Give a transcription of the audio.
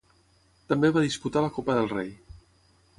També va disputar la Copa del Rei.